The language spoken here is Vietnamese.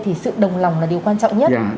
thì sự đồng lòng là điều quan trọng nhất